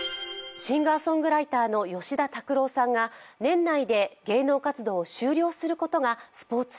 シンガーソングライターの吉田拓郎さんが年内で芸能活動を終了することがスポ−ツ